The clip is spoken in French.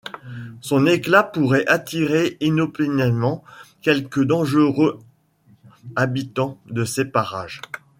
Son éclat pourrait attirer inopinément quelque dangereux habitant de ces parages.